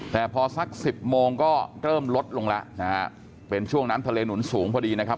แต่พอสักสิบโมงก็เริ่มลดลงแล้วนะฮะเป็นช่วงน้ำทะเลหนุนสูงพอดีนะครับ